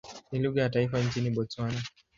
Ni lugha ya taifa nchini Botswana.